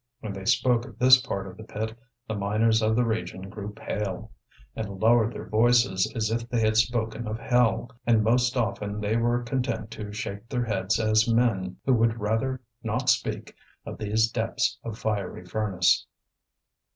When they spoke of this part of the pit, the miners of the region grew pale, and lowered their voices, as if they had spoken of hell; and most often they were content to shake their heads as men who would rather not speak of these depths of fiery furnace.